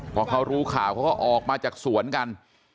พอเขารู้ข่าวเขาก็ออกมาจากสวนกัน